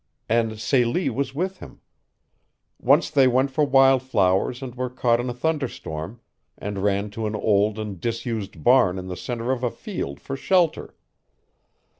And Celie was with him. Once they went for wildflowers and were caught in a thunderstorm, and ran to an old and disused barn in the center of a field for shelter.